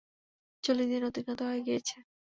চল্লিশ দিন অতিক্রান্ত হয়ে গিয়েছে।